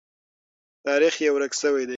تاریخ یې ورک سوی دی.